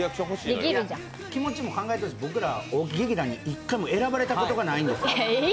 気持ちも考えてほしい僕ら、大木劇団に一回も選ばれたことないんです。